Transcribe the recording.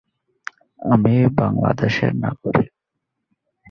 এ ওয়ার্ডের বর্তমান কাউন্সিলর হলেন আজিজুল হক।